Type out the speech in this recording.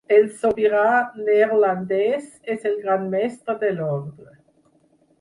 El Sobirà Neerlandès és el Gran Mestre de l'Orde.